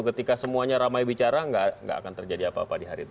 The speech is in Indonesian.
ketika semuanya ramai bicara nggak akan terjadi apa apa di hari itu